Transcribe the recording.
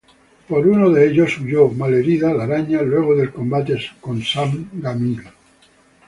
Por uno de ellos huyo, malherida, la araña luego del combate con Sam Gamyi.